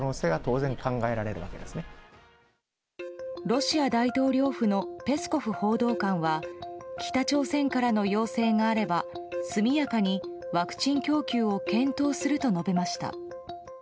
ロシア大統領府のペスコフ報道官は北朝鮮からの要請があれば速やかにワクチン供給を検討すると述べました。